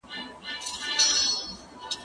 زه موسيقي اورېدلې ده!؟